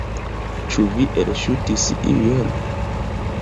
Ĉu vi elŝutis iujn?